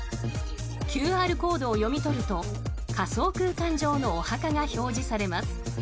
ＱＲコードを読み取ると仮想空間上のお墓が表示されます。